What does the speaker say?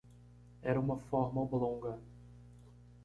Era uma forma oblonga.